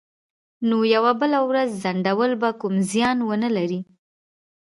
نو یوه بله ورځ ځنډول به کوم زیان ونه لري